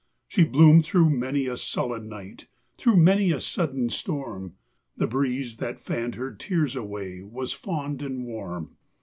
She bloomed through many a sullen night, Through many a sudden storm, The breeze that fanned her tears away Was fond and warm.